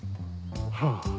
はあ。